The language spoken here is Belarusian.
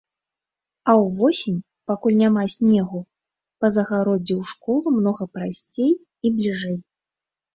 А ўвосень, пакуль няма снегу, па загароддзі ў школу многа прасцей і бліжэй.